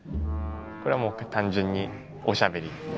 これはもう単純におしゃべりですね。